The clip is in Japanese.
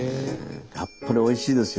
やっぱりおいしいですよ。